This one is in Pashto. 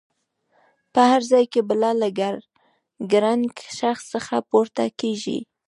په هر ځای کې بلا له ګړنګن شخص څخه پورته کېږي.